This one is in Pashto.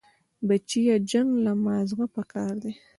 بچيه جنگ له مازغه پکار دي.